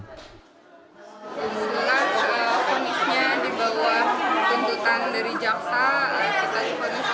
setelah fonisnya dibawah tuntutan dari jaksa kita di fonis menanggulah